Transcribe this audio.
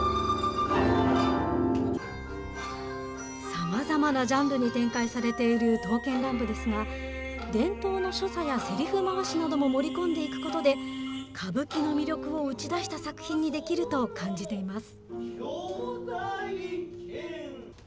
さまざまなジャンルに展開されている刀剣乱舞ですが、伝統の所作やせりふ回しなども盛り込んでいくことで、歌舞伎の魅力を打ち出した作品にできると感じています。